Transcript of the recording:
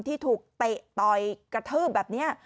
ที่ถูกเตะต่อยกระทืบแบบนี้